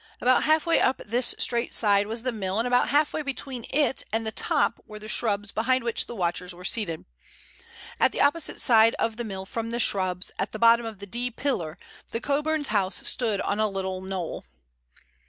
About half way up this straight side was the mill, and about half way between it and the top were the shrubs behind which the watchers were seated. At the opposite side of the mill from the shrubs, at the bottom of the D pillar, the Coburns' house stood on a little knoll.